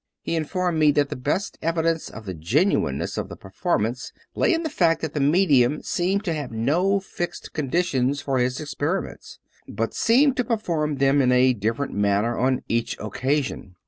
He informed me that the best evidence of the genuineness of the performance lay in the fact that the medium seemed to have no fixed conditions for his experiments; but seemed to perform them in a different manner on each oc casion.